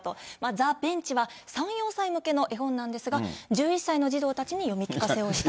ザ・ベンチは３、４歳向けの絵本なんですが、１１歳の児童たちに読み聞かせをしたと。